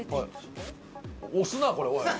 押すなこれおい。